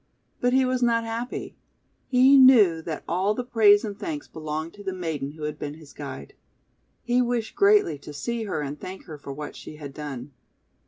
But he was not happy. He knew that all the praise and thanks belonged to the maiden who had been his guide. He wished greatly to see her and thank her for what she had done.